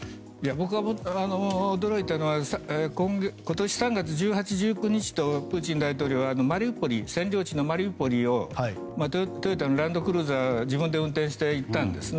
僕が驚いたのは今年３月１８、１９日とプーチン大統領が占領地のマリウポリをトヨタのランドクルーザー自分で運転して行ったんですね。